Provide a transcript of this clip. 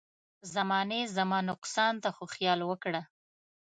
زمانې زما نقصان ته خو خيال وکړه.